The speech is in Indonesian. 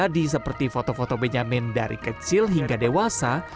di seperti foto foto benyamin dari kecil hingga dewasa